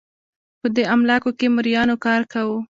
په دې املاکو کې مریانو کار کاوه